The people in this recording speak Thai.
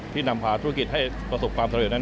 นำพาธุรกิจให้ประสบความสำเร็จนั้น